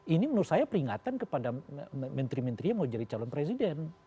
ini menurut saya peringatan kepada menteri menteri yang mau jadi calon presiden